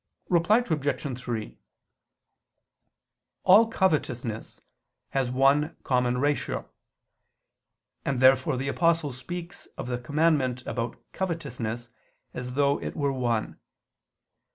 Reply Obj. 3: All covetousness has one common ratio: and therefore the Apostle speaks of the commandment about covetousness as though it were one.